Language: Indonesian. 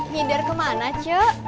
ngider kemana ce